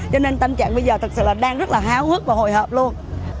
cho nên tâm trạng bây giờ thật sự là đang rất là háo hức và hồi hộp luôn